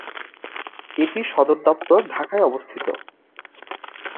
এটির সদরদপ্তর ঢাকায় অবস্থিত।